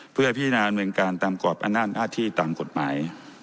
เพื่อพิจารณาดำเนินการตามกรอบอำนาจหน้าที่ตามกฎหมาย